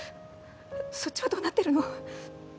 そっちはどうなってるの？